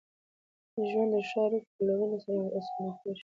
ژوند د ښو اړیکو په لرلو سره اسانه کېږي.